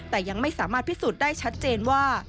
แต่ยังไม่สามารถพิสูจน์ได้ชัดเจนว่า